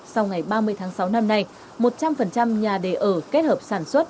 sau ngày ba mươi tháng sáu năm nay một trăm linh nhà đề ở kết hợp sản xuất